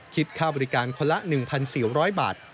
คิดค่าบริการคนละ๑๔๐๐บาท